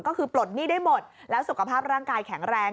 ก็คือปลดหนี้ได้หมดแล้วสุขภาพร่างกายแข็งแรง